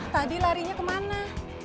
tadi larinya kemana